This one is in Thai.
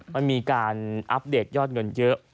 มันมีการอัปเดตยอดเงินเยอะ